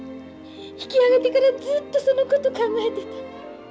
引き揚げてからずっとそのこと考えてたの。